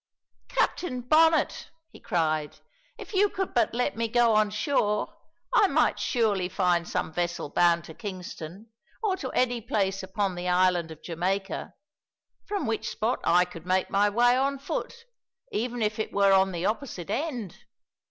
"Captain Bonnet," he cried, "if you could but let me go on shore, I might surely find some vessel bound to Kingston, or to any place upon the Island of Jamaica, from which spot I could make my way on foot, even if it were on the opposite end.